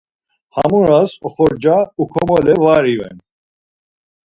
Ham oras oxorca ukomole var iven.